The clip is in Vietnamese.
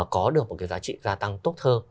có được một cái giá trị gia tăng tốt hơn